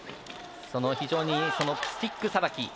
その非常にスティックさばき。